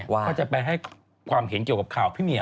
ว่าจะไปให้ความเห็นเกี่ยวกับข่าวพี่เมีย